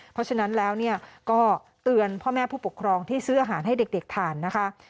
เพราะฉะนั้นแล้วก็เตือนพ่อแม่ผู้ปกครองที่ซื้ออาหารให้เด็กทานนะคะ